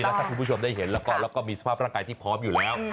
แล้วถ้าคุณผู้ชมได้เห็นแล้วก็มีสภาพร่างกายที่พร้อมอยู่แล้ว